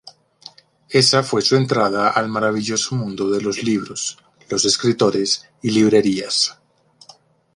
Esa fue su entrada al maravilloso mundo de los libros, los escritores y librerías.